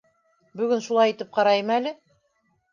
Бөгөн шулай итеп ҡарайым әле.